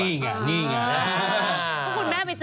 นี่ไงนี่ไง